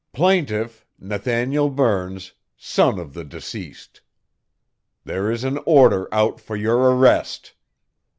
Plaintiff, Nathaniel Burns, son of the deceased. There is an order out for your arrest.